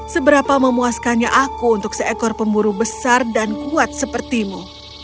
seberapa memuaskannya aku untuk seekor pemburu besar dan kuat sepertimu